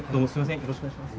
よろしくお願いします。